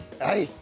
はい。